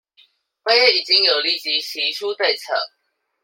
我也已經有立即提出對策